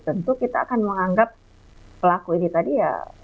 tentu kita akan menganggap pelaku ini tadi ya